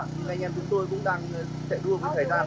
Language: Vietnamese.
thì anh em chúng tôi cũng đang chạy đua với thời gian